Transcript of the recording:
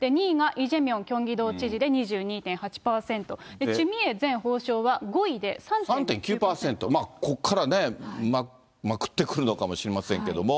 ２位がイ・ジェミョンキョンギ道知事で２２．８％、チュ・ミエ前３．９％、ここからね、まくってくるのかもしれませんけども。